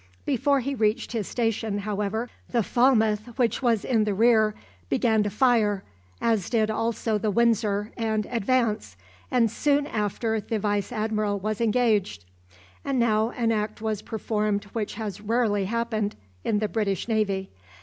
Before he reached his station, however, the "Falmouth," which was in the rear, began to fire, as did also the "Windsor" and "Advance," and soon after the Vice Admiral was engaged; and now an act was performed which has rarely happened in the British Navy.